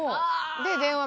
で電話